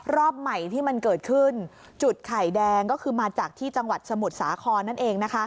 รอบใหม่ที่มันเกิดขึ้นจุดไข่แดงก็คือมาจากที่จังหวัดสมุทรสาครนั่นเอง